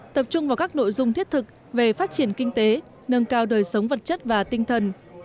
tập trung vào các nội dung thiết thực về phát triển kinh tế nâng cao đời sống vật chất và tinh thần